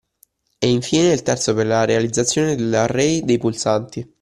E infine il terzo per la realizzazione dell’array dei pulsanti.